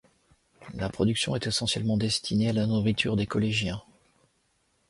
La production est essentiellement destinée à la nourriture des collégiens.